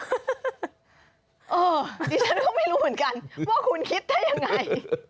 ดิฉันก็ไม่รู้เหมือนกันว่าคุณคิดได้ยังไง